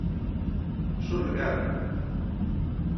Son real.